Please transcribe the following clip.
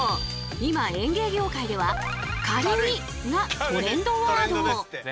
今園芸業界では「軽い」がトレンドワード！